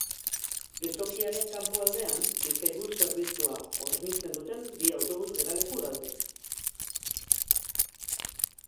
Geltokiaren kanpoaldean Bizkaibus zerbitzua hornitzen duten bi autobus geraleku daude.